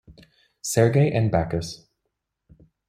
Serge and Bacchus.